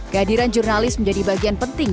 kehadiran jurnalis menjadi bagian penting